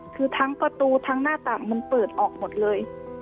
คือทั้งประตูทั้งหน้าต่างมันเปิดออกหมดเลย